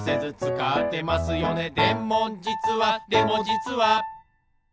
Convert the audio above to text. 「でもじつはでもじつは」